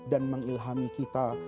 dan mengilhami kita